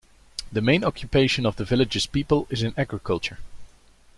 The main occupation of the villages people is in agriculture.